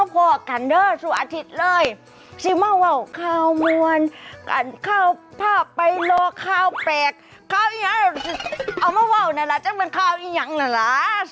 กลับไปลงคาแปดข้างี้มานี่มานี่น่ะ